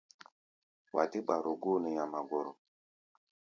Wa dé ɓaro-góo nɛ nyamagɔrɔ.